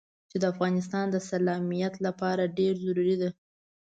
چې د افغانستان د سالميت لپاره ډېره ضروري ده.